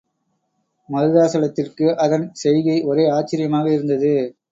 மருதாசலத்திற்கு அதன் செய்கை ஒரே ஆச்சரியமாக இருந்தது.